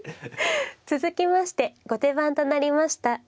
続きまして後手番となりました